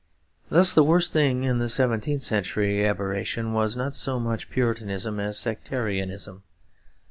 Thus the worst thing in the seventeenth century aberration was not so much Puritanism as sectarianism.